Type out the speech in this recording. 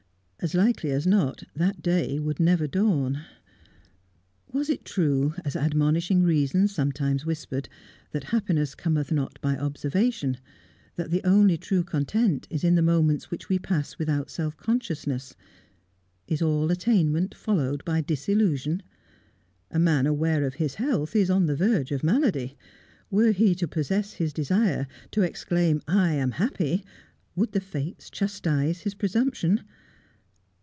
As likely as not that day would never dawn. Was it true, as admonishing reason sometimes whispered, that happiness cometh not by observation, that the only true content is in the moments which we pass without self consciousness? Is all attainment followed by disillusion? A man aware of his health is on the verge of malady. Were he to possess his desire, to exclaim, "I am happy," would the Fates chastise his presumption?